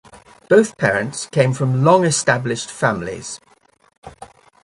Both parents came from long established families.